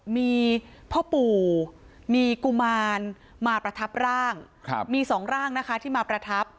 มีพ่อปู่มีกุมารมาประทับร่างมีสองร่างนะคะที่มาประทับ